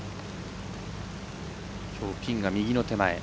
きょう、ピンが右の手前。